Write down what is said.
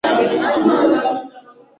Na kumgusa hisia kwa pigo kuu.